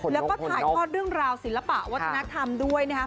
แล้วก็ถ่ายทอดเรื่องราวศิลปะวัฒนธรรมด้วยนะครับ